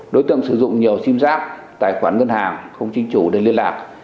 đối tượng sử dụng nhiều sim giáp tài khoản ngân hàng không chính chủ để liên lạc